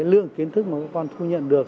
lượng kiến thức mà các con thu nhận được